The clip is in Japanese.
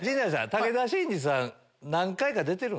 武田真治さん。